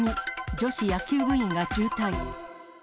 女子野球部員が重体。